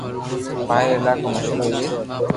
پاھي ري علائقون مشھور ھوئي گئي